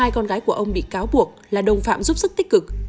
hai con gái của ông bị cáo buộc là đồng phạm giúp sức tích cực